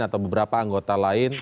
atau beberapa anggota lain